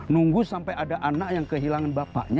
nunggu sampai ada anak yang kehilangan bapaknya